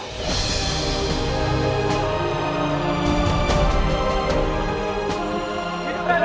hidup raden atta